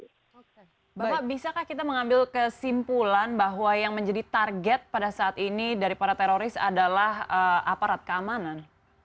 bapak bisakah kita mengambil kesimpulan bahwa yang menjadi target pada saat ini dari para teroris adalah aparat keamanan